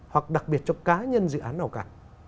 hoặc đặc biệt cho cá nhân dự án nào cả